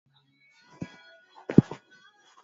Wizara ya Mafuta